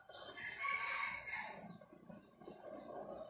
มีเวลาเมื่อเวลาเมื่อเวลา